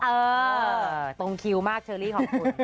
เออตรงคิวมากเชอรี่ขอบคุณ